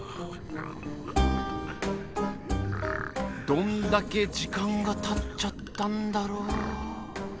どんだけ時間がたっちゃったんだろう。